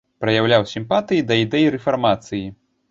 Праяўляў сімпатыі да ідэй рэфармацыі.